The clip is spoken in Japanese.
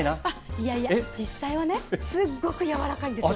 いやいや、実際はね、すっごく柔らかいんですよ。